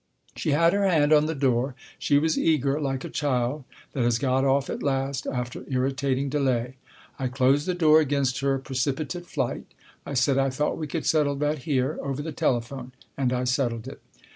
She had her hand on the door. She was eager, like a child that has got off at last, after irritating delay. I closed the door against her precipitate flight. I said I thought we could settle that here, over the telephone. And I settled it.